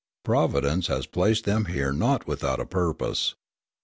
Providence has placed them here not without a purpose.